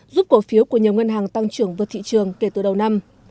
giúp cổ phiếu của nhiều ngân hàng tăng trưởng vượt thị trường kể từ đầu năm